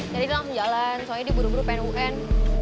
tadi langsung jalan soalnya dia buru buru pengen un